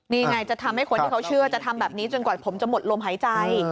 นี่ไงจะทำให้คนที่เขาเชื่อจะทำแบบนี้จนกว่าผมจะหมดลมหายใจ